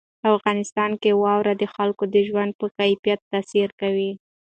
په افغانستان کې واوره د خلکو د ژوند په کیفیت تاثیر کوي.